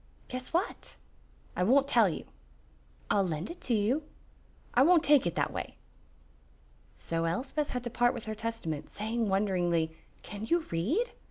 "Guess what?" "I won't tell you." "I'll lend it to you." "I won't take it that way." So Elspeth had to part with her Testament, saying wonderingly, "Can you read?"